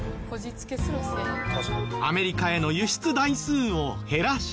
アメリカへの輸出台数を減らし。